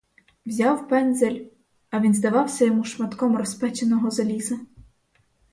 Взяв пензель — а він здавався йому шматком розпеченого заліза.